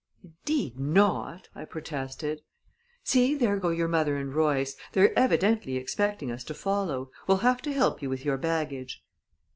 "Indeed, not!" I protested. "See, there go your mother and Royce. They're evidently expecting us to follow. We'll have to help you with your baggage."